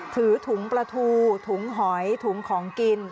ถือถุงปลาทูถุงหอยถุงของกิน